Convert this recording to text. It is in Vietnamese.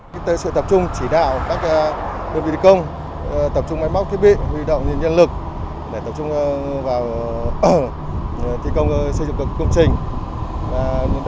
chúng tôi sẽ tập trung chỉ đạo các đơn vị công tập trung máy móc thiết bị huy động nhân lực tập trung vào thi công xây dựng công trình